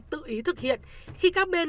tự ý thực hiện khi các bên